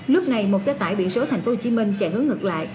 lúc này một xe tải bị xối thành phố hồ chí minh chạy hướng ngược lại